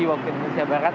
wabun indonesia barat